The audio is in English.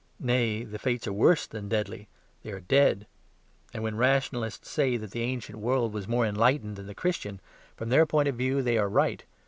Nay, the fates are worse than deadly; they are dead. And when rationalists say that the ancient world was more enlightened than the Christian, from their point of view they are right.